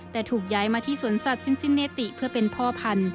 แต่ถูกย้ายมาที่สวนสัตว์สิ้นเนติเพื่อเป็นพ่อพันธุ